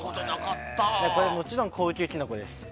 もちろん高級キノコです。